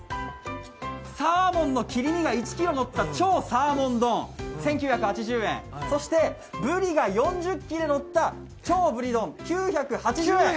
サーモンの切り身が１ｋｇのった超サーモン丼、１９８０円、そしてブリが４０きれのった超ブリ丼９８０円。